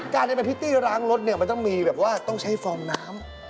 การได้เป็นพิตย์ล้างรถมันจะมีแบบว่าต้องใช้ฟองน้ำ